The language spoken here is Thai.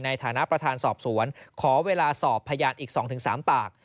ในฐานะประธานสอบสวนขอเวลาสอบพยานอีก๒๓ปาก